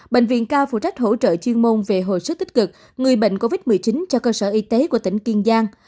bệnh viện cao phụ trách hỗ trợ chuyên môn về hồi sức tích cực người bệnh covid một mươi chín cho cơ sở y tế của tỉnh kiên giang